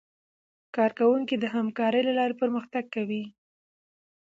کارکوونکي د همکارۍ له لارې پرمختګ کوي